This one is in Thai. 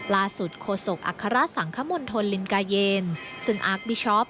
ล่าสุดโคสกอัคคาระสังคมนธนลินกาเยนซึนอักบิชอบ